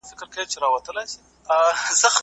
بې اختیاره وړي په پښو کي بېړۍ ورو ورو